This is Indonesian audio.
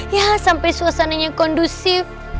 ya sampai suasananya kondusif